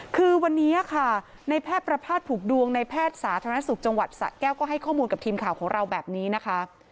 คือวันนี้ค่ะในแพทย์ประพาทผูกดวงในแพทย์สาธารณสุขจังหวัดสะแก้วก็ให้ข้อมูลกับทีมข่าวของเราแบบนี้นะคะ